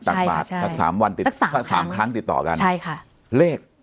ตักบาทสักสามวันติดสามสักสามครั้งติดต่อกันใช่ค่ะเลข